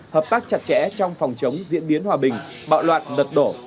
hợp tác chặt chẽ trong phòng chống diễn biến hòa bình bạo loạn lật đổ